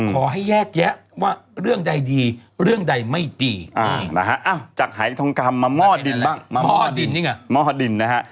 ม่อดินม่อดินนะฮะ